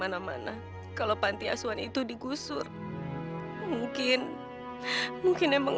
ada maling pak masuk ke rumah bapak